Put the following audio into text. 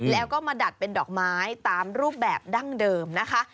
แล้วก็มาดัดเป็นดอกไม้ตามรูปแบบดั้งเดิมนะคะ